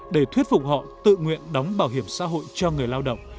để thuyết phục họ tự nguyện đóng bảo hiểm xã hội cho người lao động